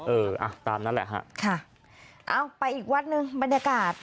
เอออ่ะตามนั้นแหละฮะค่ะเอาไปอีกวัดหนึ่งบรรยากาศ